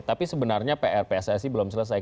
tapi sebenarnya prpssi belum selesai